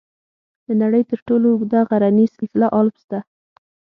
د نړۍ تر ټولو اوږده غرني سلسله الپس ده.